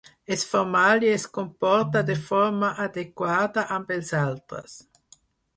És formal i es comporta de forma adequada amb els altres.